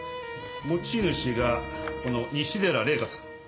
持ち主がこの西寺麗華さん。